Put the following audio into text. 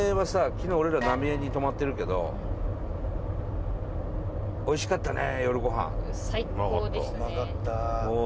昨日俺ら浪江に泊まってるけどおいしかったね夜ご飯最高でしたね